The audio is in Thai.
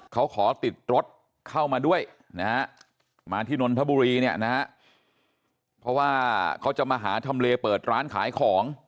เขาขอติดรถเข้ามาด้วยนะฮะมาที่นนทบุรีเนี่ยนะฮะเพราะว่าเขาจะมาหาทำเลเปิดร้านขายของ